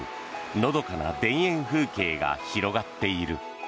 のどかな田園風景が広がっている。